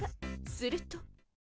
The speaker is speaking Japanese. すると